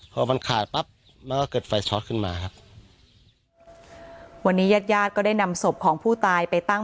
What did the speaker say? พอมันขาดปั๊บมันก็เกิดไฟช็อตขึ้นมาครับวันนี้ญาติญาติก็ได้นำศพของผู้ตายไปตั้ง